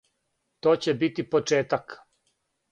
То ће бити почетак.